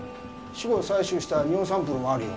死後採取した尿サンプルもあるよ